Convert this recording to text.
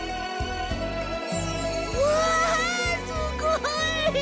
うわすごい！